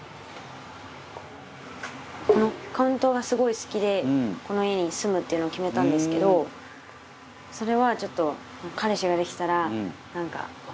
このカウンターがすごい好きでこの家に住むっていうのを決めたんですけどそれはちょっと。